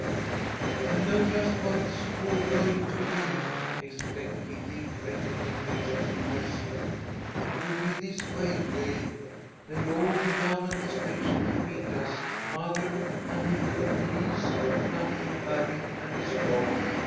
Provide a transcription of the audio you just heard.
"I know just how it's all going to be," exclaimed Kitty, wriggling impatiently in her seat. "It will be this way, Gay. They'll all be down at the station to meet us, mother and little Elise and Uncle Harry and his dog.